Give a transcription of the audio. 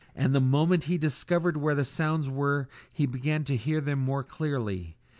And the moment he discovered where the sounds were, he began to hear them more clearly.